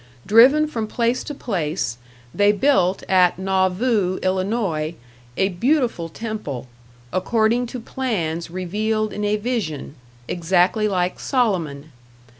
Driven from place to place, they built at Nauvoo, Ill., a beautiful temple, according to plans revealed in a vision, exactly like Solomon.